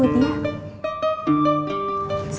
ya udah mas